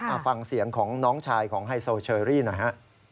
เอาฟังเสียงของน้องชายของไฮโซเชอรี่หน่อยฮะ